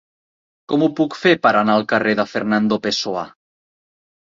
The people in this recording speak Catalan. Com ho puc fer per anar al carrer de Fernando Pessoa?